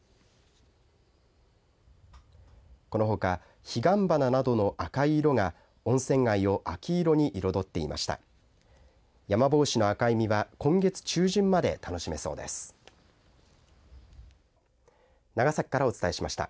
このほか彼岸花などの赤い色が温泉街を秋色に彩っていました。